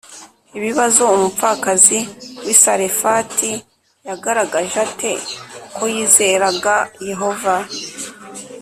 Ibibazo Umupfakazi w i Sarefati yagaragaje ate ko yizeraga Yehova